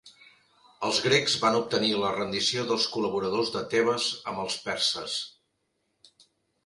Els grecs van obtenir la rendició dels col·laboradors de Tebes amb els perses.